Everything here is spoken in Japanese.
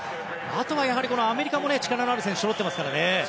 あとはアメリカも力のある選手がそろってますからね。